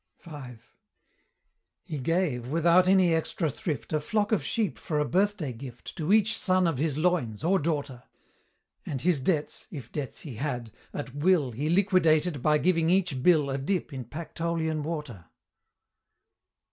V. He gave, without any extra thrift, A flock of sheep for a birthday gift To each son of his loins, or daughter: And his debts if debts he had at will He liquidated by giving each bill A dip in Pactolian water.